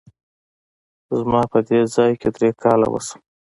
زما په دې ځای کي درې کاله وشوه !